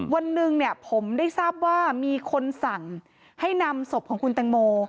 วันหนึ่งเนี่ยผมได้ทราบว่ามีคนสั่งให้นำศพของคุณแตงโม